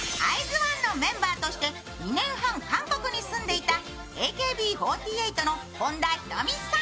＊ＯＮＥのメンバーとして２年半、韓国に住んでいたＡＫＢ４８の本田仁美さん。